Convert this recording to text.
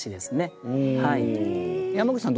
山口さん